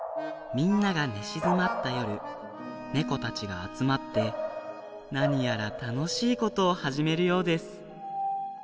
みんながねしずまったよるねこたちがあつまってなにやらたのしいことをはじめるようです。